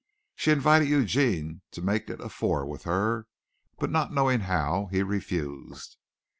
She invited Eugene to make it a four with her, but not knowing how he refused.